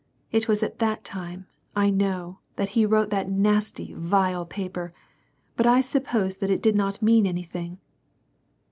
It was at that time, I know, that he wrote that nasty, vile paper, but I supposed that it did not mean anything."